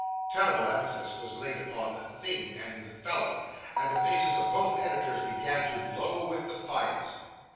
Terrible emphasis was laid upon 'thing' and 'fellow'; and the faces of both editors began to glow with defiance.